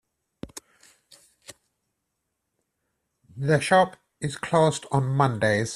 The shop is closed on Mondays.